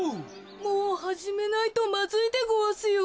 もうはじめないとまずいでごわすよ。